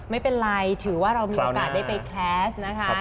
ไม่เป็นไรถือว่าเรามีโอกาสได้ไปแคสต์นะคะ